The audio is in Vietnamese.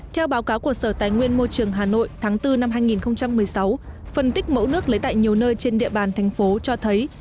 theo báo cáo của sở tài nguyên môi trường hà nội tháng bốn năm hai nghìn một mươi sáu phân tích mẫu nước lấy tại nhiều nơi trên địa bàn thành phố cho thấy